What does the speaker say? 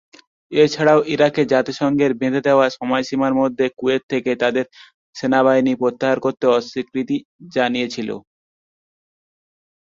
এছাড়া ইরাকের জাতিসংঘের বেঁধে দেয়া সময়সীমার মধ্যে কুয়েত থেকে তাদের সেনাবাহিনী প্রত্যাহার করতে অস্বীকৃতি জানিয়েছিল।